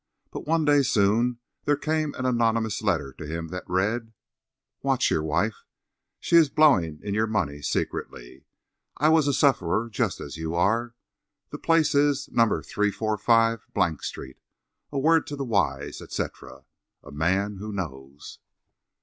But one day soon there came an anonymous letter to him that read: Watch your wife. She is blowing in your money secretly. I was a sufferer just as you are. The place is No. 345 Blank Street. A word to the wise, etc. A MAN WHO KNOWS.